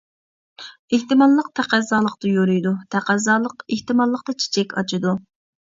ئېھتىماللىق تەقەززالىقتا يورۇيدۇ، تەقەززالىق ئېھتىماللىقتا چېچەك ئاچىدۇ.